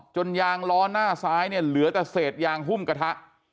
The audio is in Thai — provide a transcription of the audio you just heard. ยางล้อหน้าซ้ายเนี่ยเหลือแต่เศษยางหุ้มกระทะ